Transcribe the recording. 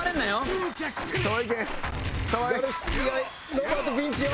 ロバートピンチよ！